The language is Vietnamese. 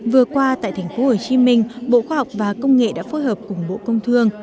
vừa qua tại tp hcm bộ khoa học và công nghệ đã phối hợp cùng bộ công thương